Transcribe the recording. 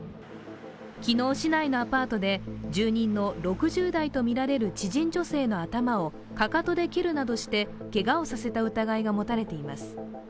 昨日、市内のアパートで住人の６０代とみられる知人女性の頭をかかとで蹴るなどしてけがをさせた疑いが持たれています。